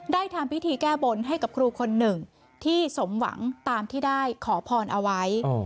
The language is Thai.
ทำพิธีแก้บนให้กับครูคนหนึ่งที่สมหวังตามที่ได้ขอพรเอาไว้